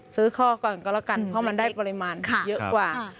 ข้อก่อนก็แล้วกันเพราะมันได้ปริมาณเยอะกว่า